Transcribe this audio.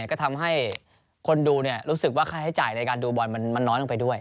ก็ทำให้คนดูรู้สึกว่าค่าใช้จ่ายในการดูบอลมันน้อยลงไปด้วย